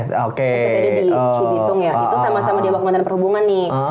sepertinya di cibitung ya itu sama sama di bawah kementerian perhubungan nih